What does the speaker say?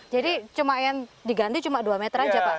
jadi yang diganti cuma dua meter saja pak